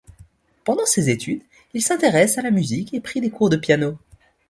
Pendant ses études, il s'intéressa à la musique et prit des cours de piano.